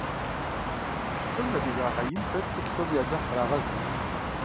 ЛӀым адыгагъэ ин хэлъти, псоми я дзыхь кърагъэзырт.